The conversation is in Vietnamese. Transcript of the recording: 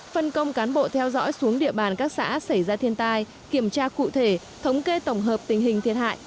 phân công cán bộ theo dõi xuống địa bàn các xã xảy ra thiên tai kiểm tra cụ thể thống kê tổng hợp tình hình thiệt hại